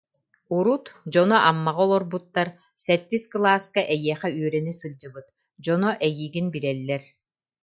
Урут, дьоно Аммаҕа олорбуттар, сэттис кылааска эйиэхэ үөрэнэ сылдьыбыт, дьоно эйигин билэллэр